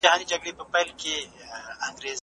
په شریعت کې ځینې جائز کارونه ولي منع کيږي؟